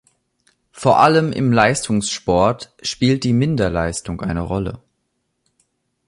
Vor allem im Leistungssport spielt die Minderleistung eine Rolle.